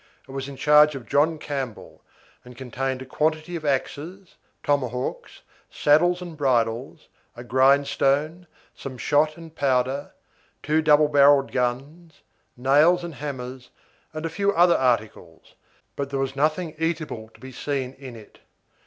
It was in charge of John Campbell, and contained a quantity of axes, tomahawks, saddles and bridles, a grindstone, some shot and powder, two double barrelled guns, nails and hammers, and a few other articles, but there was nothing eatable to be seen in it.